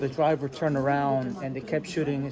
jadi pemandu menyerang dan mereka menembak kami